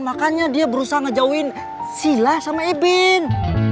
makanya dia berusaha ngejauhin sheila sama eben